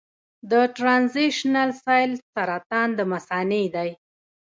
د ټرانزیشنل سیل سرطان د مثانې دی.